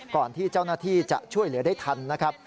ก่อนที่เจ้าหน้าที่จะช่วยเหลือได้ทันนะครับ